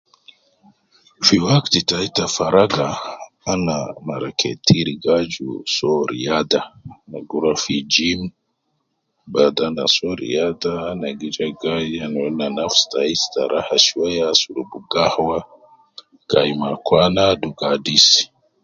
Fi wakti tai ta faraka, ana mar ketir gi aju soo riada, gi rua fi gym, bada ana soo riada ana gi ja gai ana wedi ne anas tai staraha shwiya, asurub gahwa, gai me akwana dugu adis